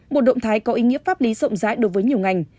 một động thái có ý nghĩa pháp lý rộng rãi đối với nhiều ngành